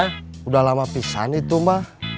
sudah lama pisah nih tumba